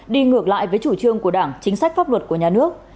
đi ngược lại với chủ trương của đảng chính sách pháp luật của nhà nước